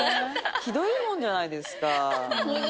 ひどいもんじゃないですか。